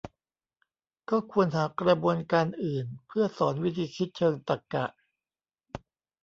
ก็ควรหากระบวนการอื่นเพื่อสอนวิธีคิดเชิงตรรกะ